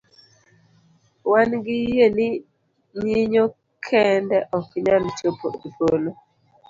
Wan gi yie ni nyinyo kende oknyal chopo epolo .